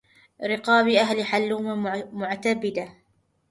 رقاب أهل الحلوم معتبده